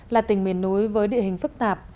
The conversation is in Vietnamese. là tỉnh miền núi với địa hình phức tạp